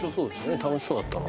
楽しそうだったな